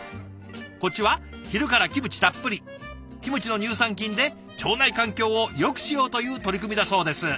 こっちは昼からキムチたっぷりキムチの乳酸菌で腸内環境をよくしようという取り組みだそうです。